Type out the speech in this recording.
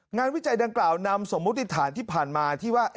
วิจัยดังกล่าวนำสมมุติฐานที่ผ่านมาที่ว่า